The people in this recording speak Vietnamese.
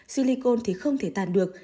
silicon thì không thể tan được